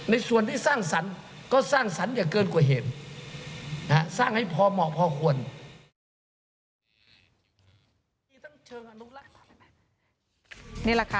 ในส่วนที่สร้างสรรค์ก็สร้างสรรค์อย่าเกินกว่าเห็น